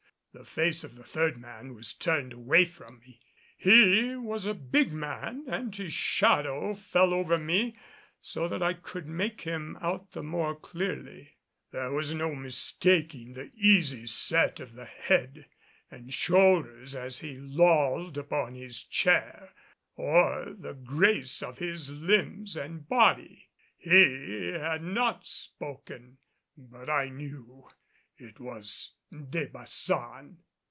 The face of the third man was turned away from me. He was a big man and his shadow fell over me so that I could make him out the more clearly. There was no mistaking the easy set of the head and shoulders as he lolled upon his chair, or the grace of his limbs and body. He had not spoken; but I knew it was De Baçan.